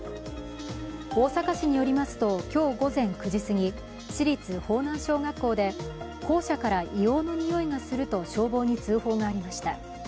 大阪市によりますと今日午前９時すぎ、市立豊南小学校で校舎から硫黄のにおいがすると消防に通報がありました。